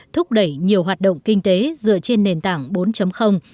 thúc đẩy nhiều hoạt động kinh tế dựa trên nền tảng bốn